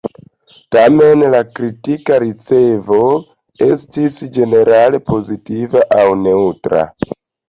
Tamen, la kritika ricevo estis ĝenerale pozitiva aŭ neŭtra.